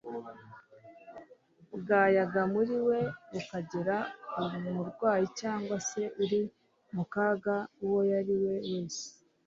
bwayaga muri we bukagera ku murwayi cyangwa se uri mu kaga uwo ari we wese.